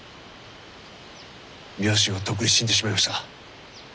両親はとっくに死んでしまいました。